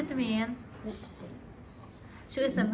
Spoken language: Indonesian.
jadi ini hanya untuk siapa